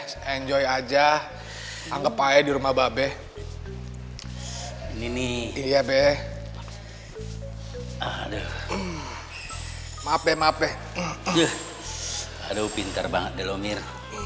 be enjoy aja anggap aja di rumah babes ini iya be aduh maaf maaf aduh pintar banget delomir